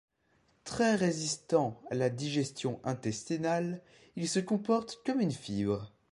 Très résistant à la digestion intestinale, il se comporte comme une fibre.